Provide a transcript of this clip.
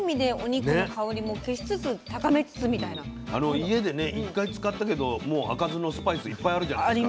家でね１回使ったけどもう開かずのスパイスいっぱいあるじゃないですか。